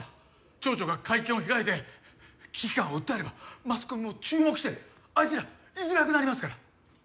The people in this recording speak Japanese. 町長が会見を開いて危機感を訴えればマスコミも注目してあいつら居づらくなりますから。